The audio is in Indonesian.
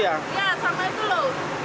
iya sampai itu loh